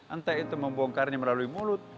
entah itu membongkarnya melalui mulut